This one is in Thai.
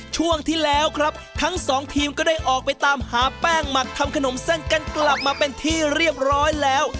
ช่วงที่แล้วครับทั้งสองทีมก็ได้ออกไปตามหาแป้งหมักทำขนมเส้นกันกลับมาเป็นที่เรียบร้อยแล้ว